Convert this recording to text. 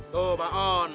tuh mbak on